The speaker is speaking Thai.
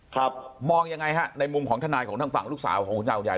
ครับมองยังไงฮะในมุมของทนายของทางฝั่งลูกสาวของคุณเจ้าใหญ่